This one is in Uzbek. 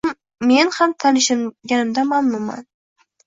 Men ham tanishganimdan mamnunman.